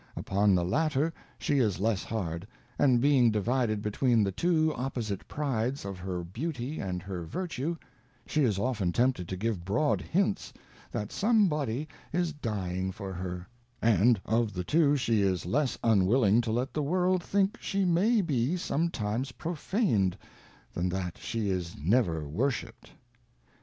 Upon the latter she is less hard, . and being divided between the two opposite Prides of her Beauty ' and her Vertue, she is often tempted to give broad Hints that/ some body is dying for her ; and of the two she is less un willing to let the World think she may be sometimes pro/an d, than that she is never worshipped.